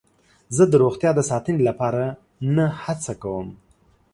زه د روغتیا د ساتنې لپاره نه هڅه کوم.